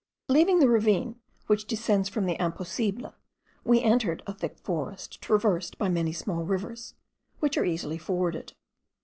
Leaving the ravine which descends from the Imposible, we entered a thick forest traversed by many small rivers, which are easily forded.